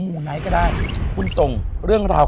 ูไนท์ก็ได้คุณส่งเรื่องราว